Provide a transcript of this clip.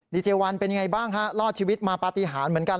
ดีเจวันเป็นยังไงบ้างฮะรอดชีวิตมาปฏิหารเหมือนกัน